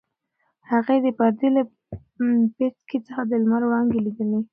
هغې د پردې له پیڅکې څخه د لمر وړانګې لیدلې.